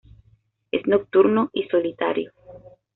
Es nocturno y solitario.